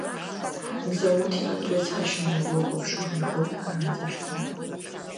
Мзауҭ иан дрыцҳашьаны длыхәаԥшуан иахылҳәаарызеишь ҳәа.